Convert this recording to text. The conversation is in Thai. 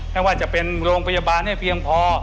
ไม่ว่าจะเป็นโรงพยาบาลให้เพียงพอ